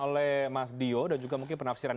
oleh mas dio dan juga mungkin penafsiran